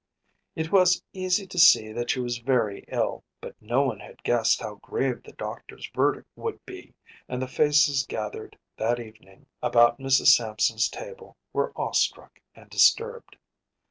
It was easy to see that she was very ill, but no one had guessed how grave the doctor’s verdict would be, and the faces gathered that evening about Mrs. Sampson’s table were awestruck and disturbed.